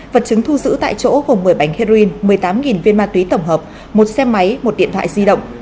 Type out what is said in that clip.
vật chứng thu giữ tại chỗ gồm một mươi bánh heroin một mươi tám viên ma túy tổng hợp một xe máy một điện thoại di động